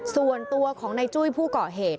ส่วนตัวของนายจุ้ยผู้เกาะเหตุ